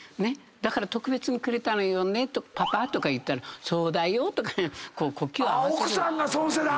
「だから特別にくれたのよね？」とか言ったら「そうだよ」とか呼吸を合わせる。